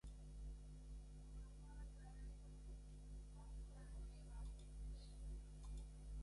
আমি দুঃখিত, বাচ্চা, কিন্তু তুমি আর কখনই ঐ ছেলের দেখা পাবেনা।